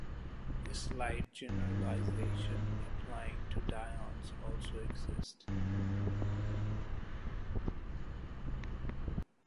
A slight generalization applying to dyons also exists.